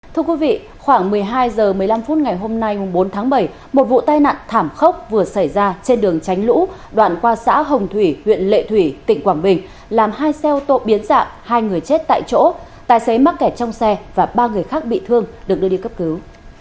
thưa quý vị khoảng một mươi hai h một mươi năm phút ngày hôm nay bốn tháng bảy một vụ tai nạn thảm khốc vừa xảy ra trên đường tránh lũ đoạn qua xã hồng thủy huyện lệ thủy tỉnh quảng bình làm hai xe ô tô biến dạng hai người chết tại chỗ tài xế mắc kẹt trong xe và ba người khác bị thương được đưa đi cấp cứu